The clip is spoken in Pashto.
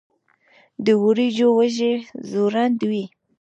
د وریجو وږی ځوړند وي.